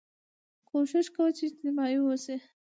کوښښ کوه چې اجتماعي واوسې